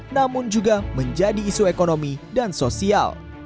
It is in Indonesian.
namun juga menjadi isu ekonomi dan sosial